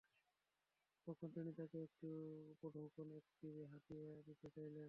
তখন তিনি তাঁকে একটি উপঢৌকন, একটি হাদীয়া দিতে চাইলেন।